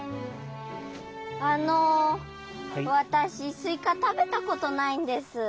あのわたしすいかたべたことないんです。